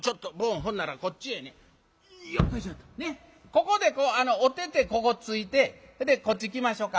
ここでこうお手々ここついてそれでこっち来ましょか。